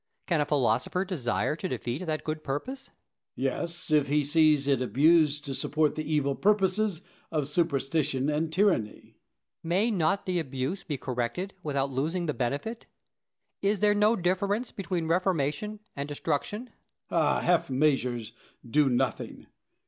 Can a philosopher desire to defeat that good purpose? Diogenes. Yes, if he sees it abused to support the evil purposes of superstition and tyranny. Plato. May not the abuse be corrected without losing the benefit? Is there no difference between reformation and destruction. Diogenes. Half measures do nothing.